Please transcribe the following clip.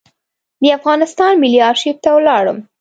د افغانستان ملي آرشیف ته ولاړم.